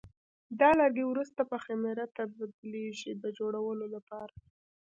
دا لرګي وروسته په خمېره تبدیلېږي د جوړولو لپاره.